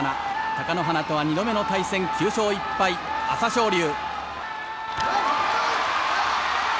貴乃花とは２度目の対戦９勝１敗、朝青龍。